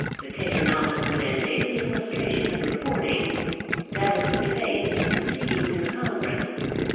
But take an opposite and a daily illustration of reporting, that of the debates and proceedings in Congress.